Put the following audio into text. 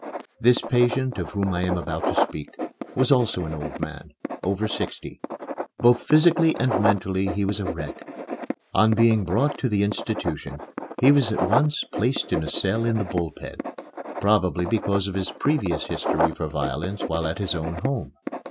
The patient of whom I am about to speak was also an old man over sixty. Both physically and mentally he was a wreck. On being brought to the institution he was at once placed in a cell in the Bull Pen, probably because of his previous history for violence while at his own home.